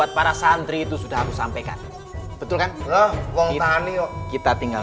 dari para santri often harus res beyang betul kan soalnya ya kita tinggal